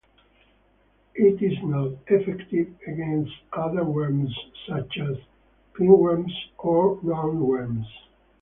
It is not effective against other worms such as pinworms or roundworms.